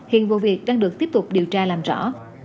hiện vụ việc đang được tiếp tục điều tra làm rõ